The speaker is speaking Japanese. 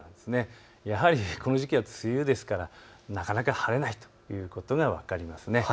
やはりこの時期は梅雨ですからなかなか晴れないということが分かりますね。